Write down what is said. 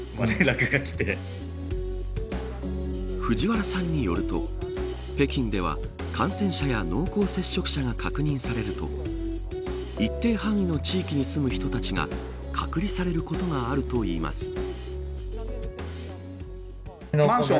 藤原さんによると北京では、感染者や濃厚接触者が確認されると一定範囲の地域に住む人たちが隔離されることがあるといいます。